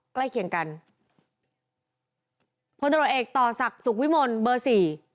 ใกล้เคียงกันพลตรวจเอกต่อศักดิ์สุขวิมลเบอร์สี่